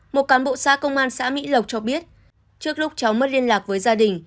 một cán bộ xa công an xã mỹ lộc cho biết trước lúc cháu mất liên lạc với gia đình